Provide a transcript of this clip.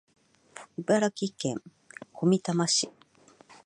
茨城県小美玉市